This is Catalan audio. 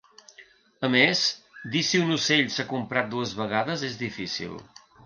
A més, dir si un ocell s'ha comptat dues vegades és difícil.